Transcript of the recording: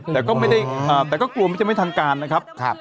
แต่ก็ไม่ได้แต่ก็กลัวมันจะไม่ทันการนะครับ